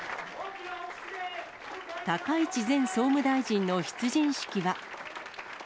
高市前総務大臣の出陣式は。